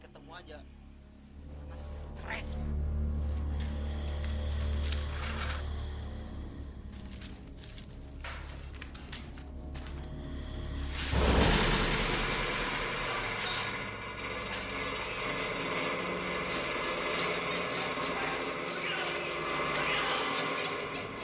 tante gue juga bisa berkomunikasi dengan alam lain